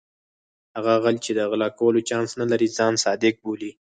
هغه غل چې د غلا کولو چانس نه لري ځان صادق بولي.